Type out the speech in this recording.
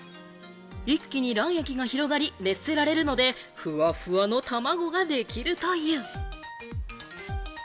一気に卵液が広がり熱せられるので、ふわふわのたまごができるという。